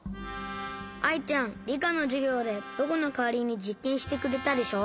アイちゃんりかのじゅぎょうでぼくのかわりにじっけんしてくれたでしょ？